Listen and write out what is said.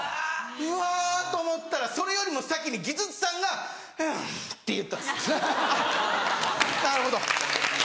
うわと思ったらそれよりも先に技術さんが「はぁ」って言ったんですあっなるほど。